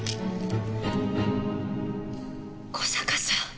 小坂さん！？